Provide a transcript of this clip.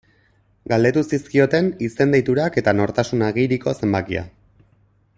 Galdetu zizkioten izen-deiturak eta nortasun agiriko zenbakia.